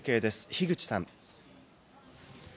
樋口さん。